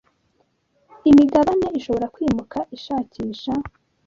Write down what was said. imigabane ishobora kwimuka ishakisha